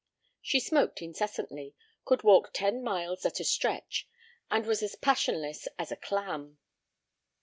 She smoked incessantly, could walk ten miles at a stretch, and was as passionless as a clam.